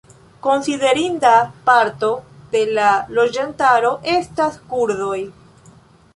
Konsiderinda parto de la loĝantaro estas kurdoj.